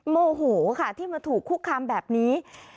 โมโหค่ะที่มาถูกคุกคามแบบนี้